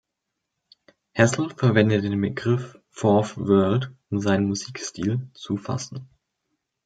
Hassell verwendet den Begriff „Fourth World“, um seinen Musikstil zu fassen.